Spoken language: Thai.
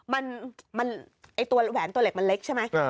มันไว้ตัวเหล็กมันเล็กใช่มั้ย